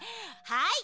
はい！